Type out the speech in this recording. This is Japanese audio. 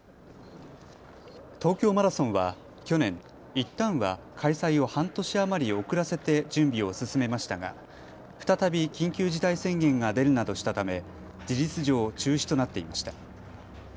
東京マラソンは去年、いったんは開催を半年余り遅らせて準備を進めましたが再び緊急事態宣言が出るなどしたため事実上、中止となっていました。